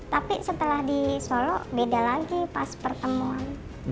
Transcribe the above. tapi setelah di solo beda lagi pas pertemuan